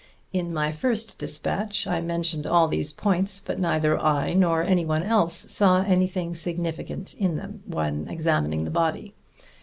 (In my first despatch I mentioned all these points, but neither I nor any one else saw anything significant in them, when examining the body.)